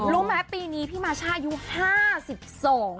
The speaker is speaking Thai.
รู้มั้ยปีนี้พี่มาช่ายู๕๒คุณผู้ชม